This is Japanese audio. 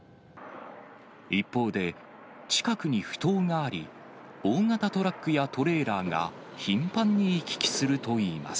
一方で、近くにふ頭があり、大型トラックやトレーラーが頻繁に行き来するといいます。